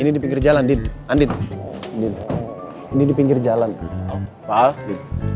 ini di pinggir jalan di andin ini di pinggir jalan maaf